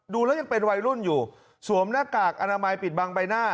ดูแล้วยังเป็นวัยรุ่นอยู่สวมหน้ากากอนามัยปิดบังใบหน้า